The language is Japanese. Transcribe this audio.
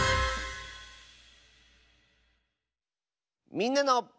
「みんなの」。